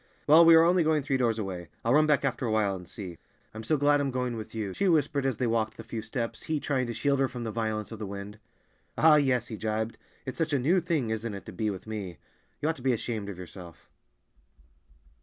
"Well, we are only going three doors away; I'll run back after a while and see." "I'm so glad I'm going with you," she whispered as they walked the few steps, he trying to shield her from the violence of the wind. "Ah, yes," he jibed, "it's such a new thing, isn't it, to be with me! You ought to be ashamed of yourself."